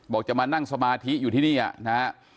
จะมานั่งสมาธิอยู่ที่นี่นะฮะ